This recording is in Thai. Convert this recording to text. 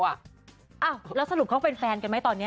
อ้าวแล้วสรุปเขาเป็นแฟนกันไหมตอนนี้